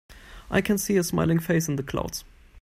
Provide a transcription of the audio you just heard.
I can see a smiling face in the clouds.